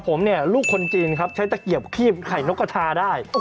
ผมเนี่ยลูกคนจีนครับใช้ตะเกียบคีบไข่นกกระทาได้